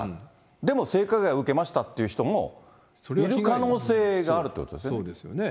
でも性加害を受けましたっていう人もいる可能性があるということそうですよね。